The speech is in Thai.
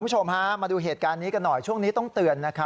คุณผู้ชมฮะมาดูเหตุการณ์นี้กันหน่อยช่วงนี้ต้องเตือนนะครับ